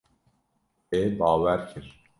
Wê bawer kir.